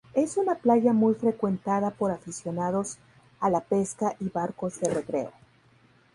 Es una playa muy frecuentada por aficionados a la pesca y barcos de recreo.